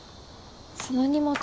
その荷物